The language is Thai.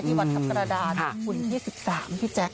ที่วัดทัพกระดานหุ่นที่๑๓พี่แจ๊ก